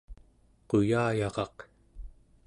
Quyayaraq